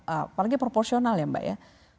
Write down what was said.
apalagi proporsional ya mbak ya